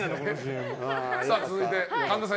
続いて、神田さん。